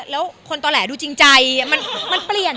แล้วคนต่อแหลดูจริงใจ